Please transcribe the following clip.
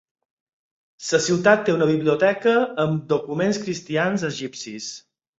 La ciutat té una biblioteca amb documents cristians egipcis.